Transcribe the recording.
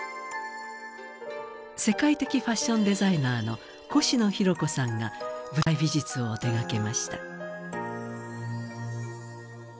世界的ファッションデザイナーのコシノヒロコさんが舞台美術を手がけました。